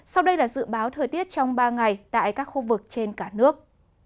sau đây là dự báo thời tiết trong ba ngày tại các khu vực trên cả nước